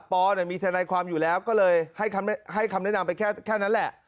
ปมีทนายความอยู่แล้วก็เลยให้คำแนะนำไปแค่นั้นแหละ